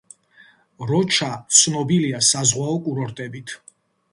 როჩა ცნობილია საზღვაო კურორტებით.